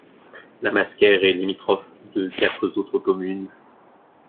Lamasquère est limitrophe de quatre autres communes.